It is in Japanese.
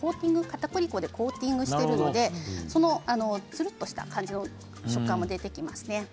かたくり粉でコーティングしていますのでつるっとした感じの食感も出てきますね。